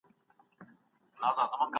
همدا حالت خان ځوراوه